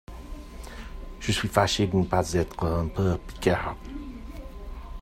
Je suis fâché de ne pas être un peu Picard !